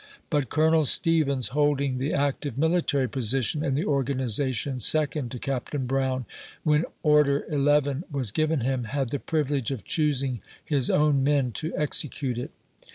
But Col. Stevens holding the active military position in the Organization second to Captain Brown, when order eleven was given him, had the privilege of choosing his own men to exe cute it.